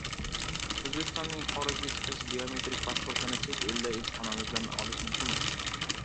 O‘zbekistonning xorijga chiqish biometrik pasportini chet eldagi elchixonamizdan olish mumkinmi?